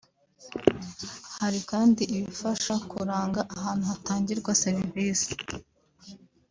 Hari kandi ibifasha kuranga ahantu hatangirwa serivisi